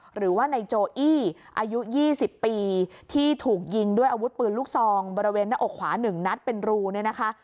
หรือว่านายโจอี้อายุ๒๐ปีที่ถูกยิงด้วยอาวุธปืนลูกซองบริเวณหน้าอกขวา๑นัดเป็นรูเนี่ยนะคะ